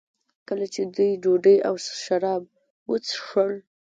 کله چې دوی ډوډۍ او شراب وڅښل.